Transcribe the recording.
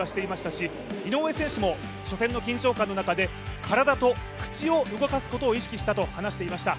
し井上選手も初戦の緊張感の中で体と口を動かすことを意識したと話していました。